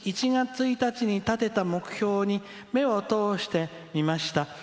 １月１日に立てた目標に目を通してみました。